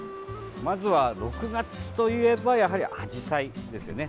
まずは６月といえばやはりアジサイですよね。